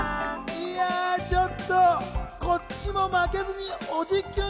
ちょっとこっちも負けずにおじキュン！